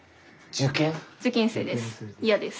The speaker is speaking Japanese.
受験生です。